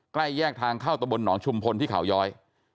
ใกล้แยกทางเข้าตะบลหนองชุมพลที่เขาย้อย